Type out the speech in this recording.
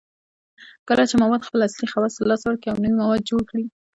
کله چې مواد خپل اصلي خواص له لاسه ورکړي او نوي مواد جوړ کړي